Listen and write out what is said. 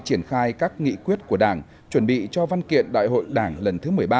triển khai các nghị quyết của đảng chuẩn bị cho văn kiện đại hội đảng lần thứ một mươi ba